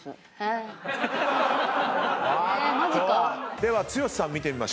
では剛さん見てみましょう。